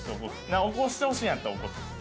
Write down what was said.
起こしてほしいんやったら起こすっす。